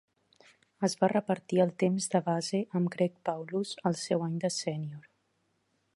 Es va repartir el temps de base amb Greg Paulus el seu any de sènior.